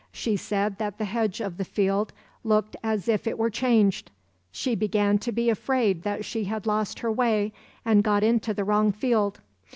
She said that the hedge of the field looked as if it were changed; she began to be afraid that she had lost her way and got into the wrong field.